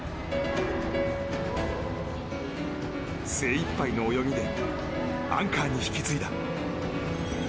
精いっぱいの泳ぎでアンカーに引き継いだ。